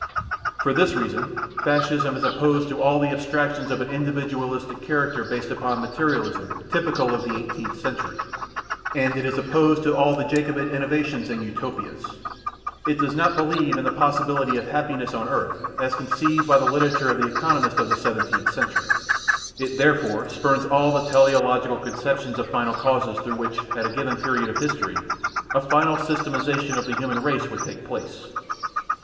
For this reason Fascism is opposed to all the abstractions of an individualistic character based upon materialism typical of the Eighteenth Century; and it is opposed to all the Jacobin innovations and utopias. It does not believe in the possibility of "happiness" on earth as conceived by the literature of the economists of the Seventeenth Century; it therefore spurns all the teleological conceptions of final causes through which, at a given period of history, a final systematisation of the human race would take place.